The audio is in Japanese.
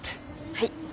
はい。